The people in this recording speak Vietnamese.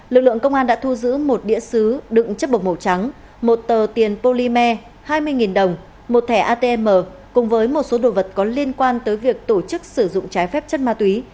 lực lượng công an đã thu giữ một đĩa xứ đựng chất bột màu trắng một tờ tiền polymer hai mươi đồng một thẻ atm cùng với một số đồ vật có liên quan tới việc tổ chức sử dụng trái phép chất ma túy